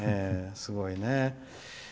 すごいね。